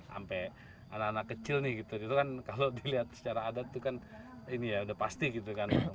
sampai anak anak kecil nih gitu itu kan kalau dilihat secara adat itu kan ini ya udah pasti gitu kan